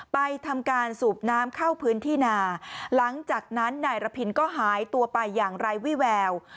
ไปทำการสูบน้ำเข้าพื้นที่นาหลังจากนั้นนายระพินก็หายตัวไปอย่างไร้วิแวว